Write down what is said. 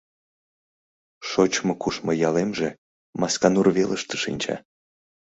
Шочмо-кушмо ялемже Масканур велыште шинча.